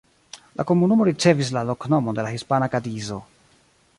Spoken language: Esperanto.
La komunumo ricevis la loknomon de la hispana Kadizo.